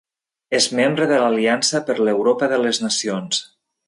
És membre de l'Aliança per l'Europa de les Nacions.